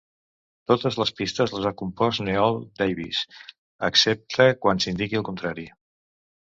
Totes les pistes les ha compost Neol Davies, excepte quan s'indiqui el contrari.